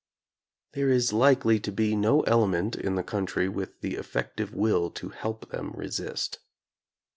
There is likely to be no element in the country with the effective will to help them resist.